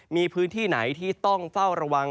มีพื้นที่ไหนที่ต้องเฝ้าระวัง